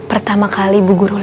aku mau mau pungkas